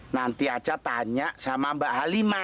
nanti aja tanya sama mbak halima